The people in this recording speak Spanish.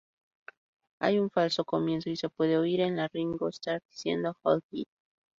Hay un falso comienzo, y se puede oír a Ringo Starr diciendo "hold it!